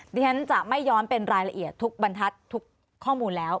ดิฉันจะไม่ย้อนเป็นรายละเอียดทุกบรรทัศน์ทุกข้อมูลแล้ว